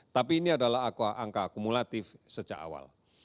tapi ini adalah angka akumulatif sejak awal